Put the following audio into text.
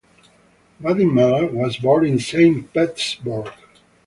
Vadim Meller was born in Saint-Petersburg.